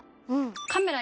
カメラ